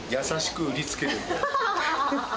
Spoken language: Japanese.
優しく売りつける。